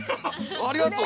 ありがとう。